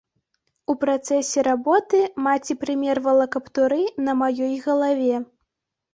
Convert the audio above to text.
У працэсе работы маці прымервала каптуры на маёй галаве.